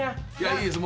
いいです。